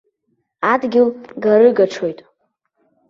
Адгьыл гарыгаҽоит.